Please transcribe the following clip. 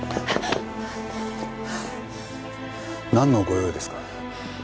なんのご用ですか？